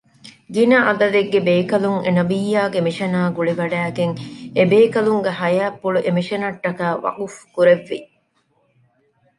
ގިނަ ޢަދަދެއްގެ ބޭކަލުން އެނަބިއްޔާގެ މިޝަނާ ގުޅިވަޑައިގެން އެބޭކަލުންގެ ޙަޔާތްޕުޅު އެމިޝަނަށްޓަކައި ވަޤުފު ކުރެއްވި